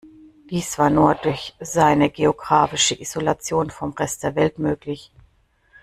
Dies war nur durch seine geografische Isolation vom Rest der Welt möglich.